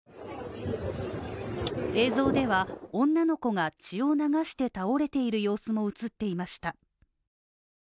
映像では、女の子が血を流して倒れている様子も映っていました。